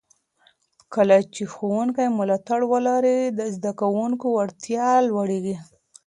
کله چې ښوونکي ملاتړ ولري، د زده کوونکو وړتیا لوړېږي.